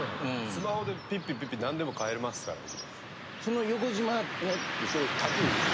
スマホでピッピピッピ何でも買えますから今。